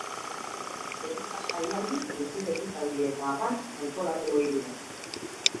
Ehunka jaialdi, kultur ekitaldi eta abar antolatu ohi dira.